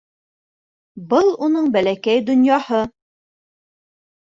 Был уның бәләкәй донъяһы.